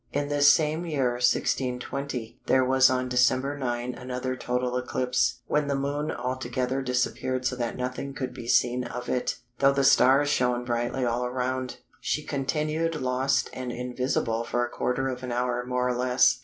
In this same year 1620, there was on December 9 another total eclipse, when "the Moon altogether disappeared so that nothing could be seen of it, though the stars shone brightly all around: she continued lost and invisible for a quarter of an hour more or less."